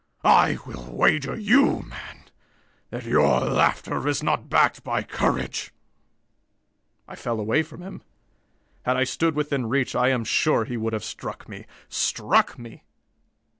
I will wager you, man, that your laughter is not backed by courage!" I fell away from him. Had I stood within reach, I am sure he would have struck me. Struck me!